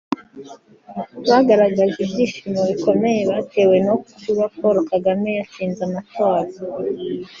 bagaragaje ibyishimo bikomeye batewe no kuba Paul Kagame yatsinze amatora